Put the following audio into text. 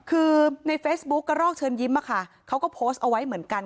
คือในเฟซบุ๊กกระรอกเชิญยิ้มเขาก็โพสต์เอาไว้เหมือนกัน